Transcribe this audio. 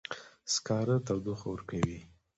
سکاره تودوخه ورکوي